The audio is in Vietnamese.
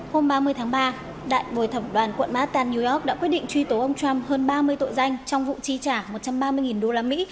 hôm ba mươi tháng ba đại bồi thẩm đoàn quận manhattan new york đã quyết định truy tố ông trump hơn ba mươi tội danh trong vụ trí trả một trăm ba mươi usd